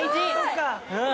うん。